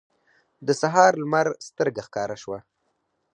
د سهار لمر سترګه ښکاره شوه.